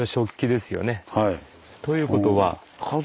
ということは。